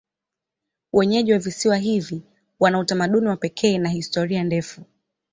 Wenyeji wa visiwa hivi wana utamaduni wa pekee na historia ndefu.